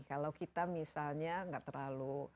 kalau kita misalnya nggak terlalu